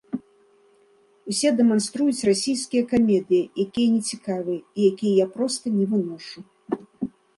Усё дэманструюць расійскія камедыі, якія не цікавыя, і якія я проста не выношу.